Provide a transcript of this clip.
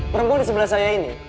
perempuan di sebelah saya ini